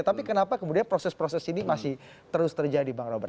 tapi kenapa kemudian proses proses ini masih terus terjadi bang robert